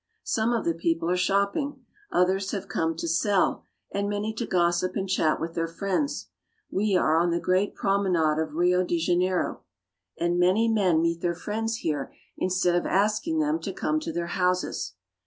Some of the people are shopping. Others have come to sell, and many to gossip and chat with their friends. We are on the great promenade of Rio de Janeiro, and many men Rio Peddlers. 276 BRAZIL. meet their friends here instead of asking them to come to their houses.